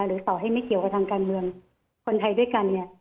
ต่อให้ไม่เกี่ยวกับทางการเมืองคนไทยด้วยกันเนี่ย